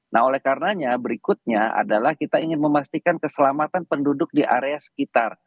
nah oleh karenanya berikutnya adalah kita ingin memastikan keselamatan penduduk di area sekitar